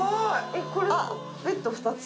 えっこれベッド２つ？